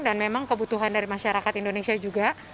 dan memang kebutuhan dari masyarakat indonesia juga